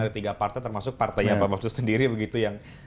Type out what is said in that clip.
ada tiga partai termasuk partainya pak mahfud sendiri begitu yang